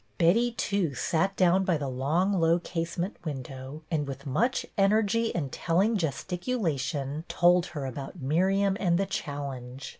Betty too sat down by the long, low case ment window, and with much energy and telling gesticulation told her about Miriam and the challenge.